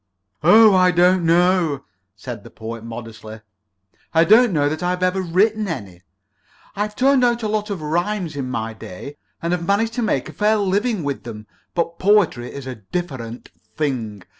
"Oh, I don't know," said the Poet, modestly. "I don't know that I've ever written any. I've turned out a lot of rhymes in my day, and have managed to make a fair living with them, but poetry is a different thing.